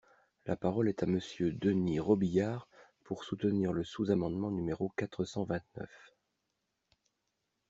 La parole est à Monsieur Denys Robiliard, pour soutenir le sous-amendement numéro quatre cent vingt-neuf.